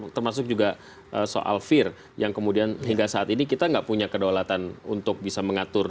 termasuk juga soal fear yang kemudian hingga saat ini kita nggak punya kedaulatan untuk bisa mengatur